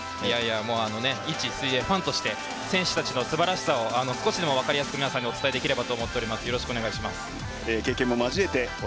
いち水泳ファンとして選手たちのすばらしさを少しでも分かりやすく皆さんにお伝えできればと思っています。